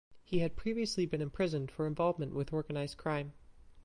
He had previously been imprisoned for involvement with organised crime.